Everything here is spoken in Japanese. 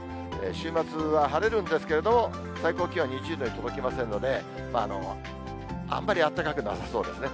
週末は晴れるんですけれども、最高気温２０度に届きませんので、あんまりあったかくなさそうですね。